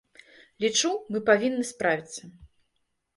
Лічу, мы павінны справіцца.